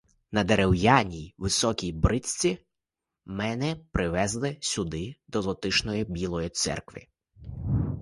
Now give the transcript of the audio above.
На дерев'яній високій бричці мене привезли сюди, до затишної білої церкви.